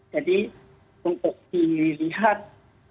jadi untuk dilihat